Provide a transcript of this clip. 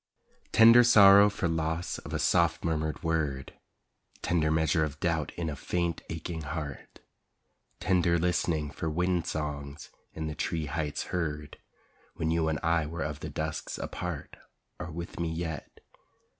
Tender sorrow for loss of a soft murmured word, Tender measure of doubt in a faint, aching heart, Tender listening for wind songs in the tree heights heard When you and I were of the dusks a part, Are with me yet.